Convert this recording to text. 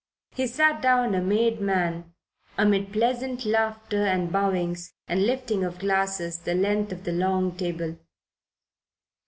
He sat down a made man, amid pleasant laughter and bowings and lifting of glasses, the length of the long table.